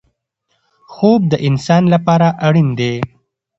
خوب د انسان لپاره اړین دی.